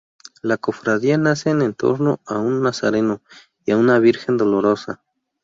La Cofradía nace en torno a un nazareno y a una virgen dolorosa.